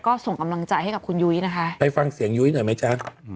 ก็ส่งกำลังใจให้กับคุณยุ้ยนะคะไปฟังเสียงยุ้ยหน่อยไหมจ๊ะ